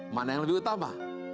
mana yang lebih utama